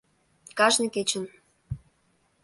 Кажне кечын.